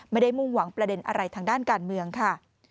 มุ่งหวังประเด็นอะไรทางด้านการเมืองค่ะ